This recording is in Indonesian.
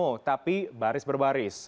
itu bukan demo tapi baris berbaris